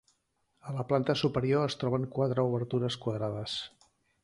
A la planta superior es troben quatre obertures quadrades.